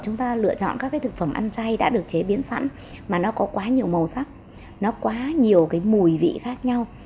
chúng ta lựa chọn các thực phẩm ăn chay đã được chế biến sẵn mà nó có quá nhiều màu sắc nó có quá nhiều mùi vị khác nhau